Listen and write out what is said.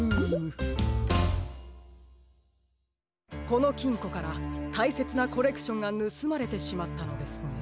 このきんこからたいせつなコレクションがぬすまれてしまったのですね。